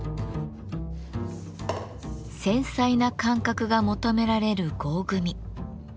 繊細な感覚が求められる合組。